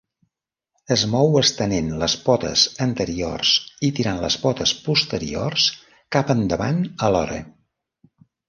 Es mou estenent les potes anteriors i tirant les potes posteriors cap endavant alhora.